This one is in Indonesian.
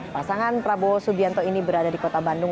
pasangan prabowo subianto ini berada di kota bandung